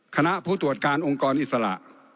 คณะผู้ตรวจการองค์กรอิสระ